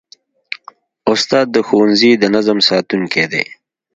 استاد د ښوونځي د نظم ساتونکی دی.